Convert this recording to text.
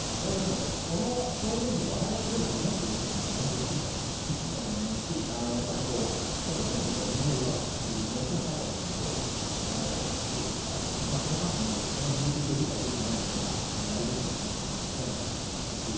この表現で笑いが取れると思ってる時点でもう本当に不適格だと思いますしやっぱり国家権力が人命を奪うという最も最たるものが死刑ですからその観点で見た時にその重責を理解していない人がやるべきではないというのは間違いないなと思いますし